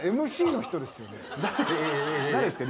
誰ですか？